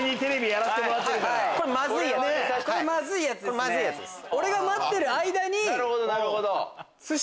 マズいやつです。